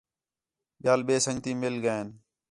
ٻِیال ٻئے سنڳتی مِل ڳئین